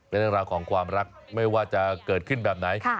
เป็นเรื่องราวของความรักไม่ว่าจะเกิดขึ้นแบบไหน